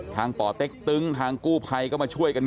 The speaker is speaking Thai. ป่อเต็กตึงทางกู้ภัยก็มาช่วยกัน